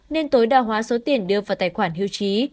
nên tối đa hóa số tiền đưa vào tài khoản hưu trí